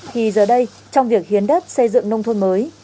thì giờ đây trong việc hiến đất xây dựng nông thôn mới